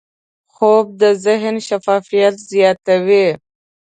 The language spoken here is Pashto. خوب د ذهن شفافیت زیاتوي